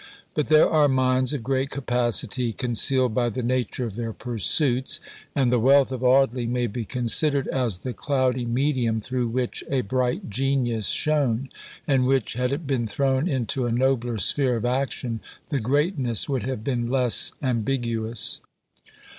But there are minds of great capacity, concealed by the nature of their pursuits; and the wealth of Audley may be considered as the cloudy medium through which a bright genius shone, and which, had it been thrown into a nobler sphere of action, the "greatness" would have been less ambiguous.